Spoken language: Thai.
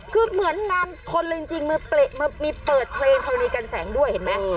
คือเหมือนงานคนเลยจริงมีเปิดเพลงธวีกันแสงด้วยเห็นไหม